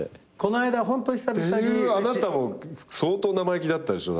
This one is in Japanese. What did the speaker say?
いうあなたも相当生意気だったでしょ。